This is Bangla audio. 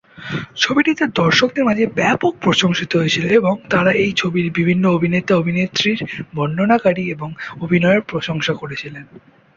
ছবিটি তার দর্শকদের মাঝে ব্যপক প্রশংসিত হয়েছিল, এবং তারা এই ছবির বিভিন্ন অভিনেতা-অভিনেত্রীর বর্ণনাকারী এবং অভিনয়ের প্রশংসা করেছিলেন।